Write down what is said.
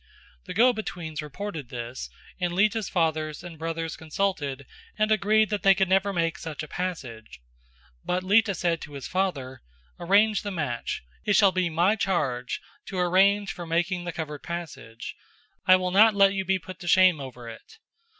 The go betweens reported this, and Lita's father and brothers consulted and agreed that they could never make such a passage, but Lita said to his father: "Arrange the match; it shall be my charge to arrange for making the covered passage; I will not let you be put to shame over it."